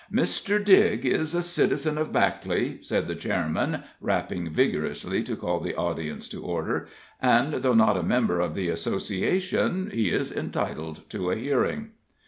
"Mr. Digg is a citizen of Backley," said the Chairman, rapping vigorously to call the audience to order, "and though not a member of the Association, he is entitled to a hearing."